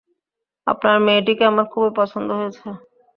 আপনার মেয়েটিকে আমার খুবই পছন্দ হয়েছে।